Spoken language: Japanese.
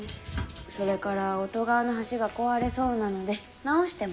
それから乙川の橋が壊れそうなので直してもらいたいと。